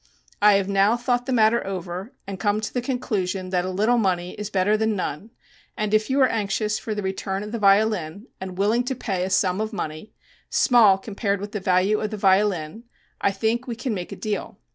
I have now thought the matter over and come to the conclusion that a little money is better than none and if you are anxious for the return of the violin and willing to pay a sum of money, small compared with the value of the violin, I think we can make a deal.